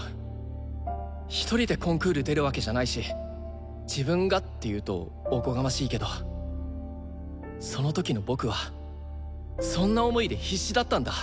一人でコンクール出るわけじゃないし「自分が」っていうとおこがましいけどその時の僕はそんな思いで必死だったんだ。